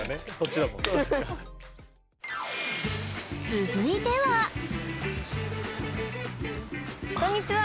続いてはこんにちは！